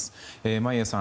眞家さん